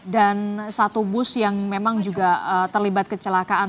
dan satu bus yang memang juga terlibat kecelakaan